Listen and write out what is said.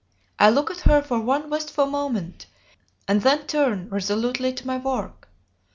I look at her for one wistful moment and then turn resolutely to my work.